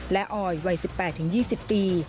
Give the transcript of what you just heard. และออยวัย๑๘๒๐ปี